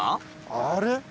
あれ？